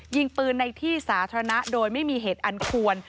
ยิงปืนในที่สาธารณะโดยไม่มีเหตุอันควร